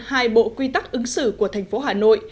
hai bộ quy tắc ứng xử của thành phố hà nội